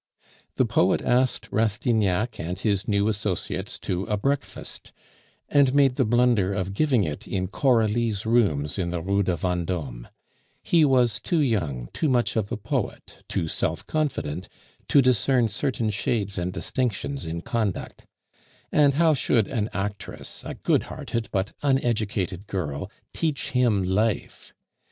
The poet asked Rastignac and his new associates to a breakfast, and made the blunder of giving it in Coralie's rooms in the Rue de Vendome; he was too young, too much of a poet, too self confident, to discern certain shades and distinctions in conduct; and how should an actress, a good hearted but uneducated girl, teach him life?